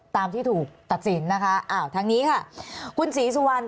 ตามที่ถูกตัดสินนะคะอ้าวทางนี้ค่ะคุณศรีสุวรรณ